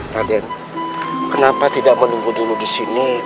raden kenapa tidak menunggu dulu disini